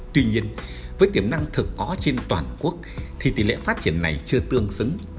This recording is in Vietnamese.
tuy nhiên với tiềm năng thực có trên toàn quốc thì tỷ lệ phát triển này chưa tương xứng